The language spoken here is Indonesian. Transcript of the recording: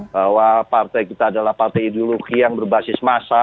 bahwa partai kita adalah partai ideologi yang berbasis massa